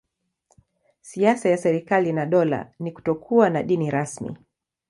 Siasa ya serikali na dola ni kutokuwa na dini rasmi.